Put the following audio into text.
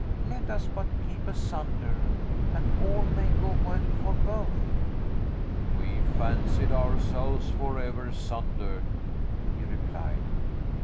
Let us but keep asunder, and all may go well for both." "We fancied ourselves forever sundered," he replied.